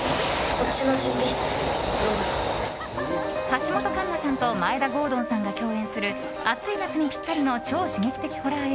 橋本環奈さんと眞栄田郷敦さんが共演する暑い夏にぴったりの超刺激的ホラー